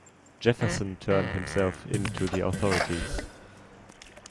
Jefferson turned himself in to the authorities.